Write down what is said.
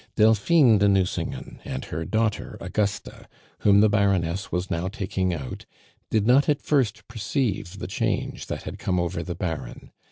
Delphine de Nucingen, and her daughter Augusta, whom the Baroness was now taking out, did not at first perceive the change that had come over the Baron.